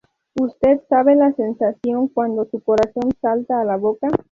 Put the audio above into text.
Usted sabe la sensación cuando su corazón salta en la boca?